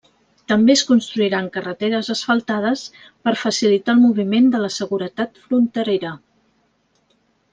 També es construiran carreteres asfaltades per facilitar el moviment de seguretat fronterera.